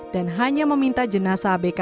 dan hanya meminta jenazah untuk menjaga kemampuan